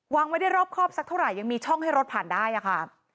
วางไม่ได้รอบครอบสักเท่าไหร่ยังมีช่องให้รถผ่านได้อะค่ะ